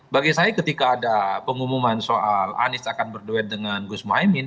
bagi saya ketika ada pengumuman soal anies akan berduet dengan gus muhaymin